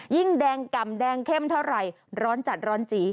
ยิ่งแดงกำแดงเข้มเท่าไหร่ร้อนจัดร้อนจี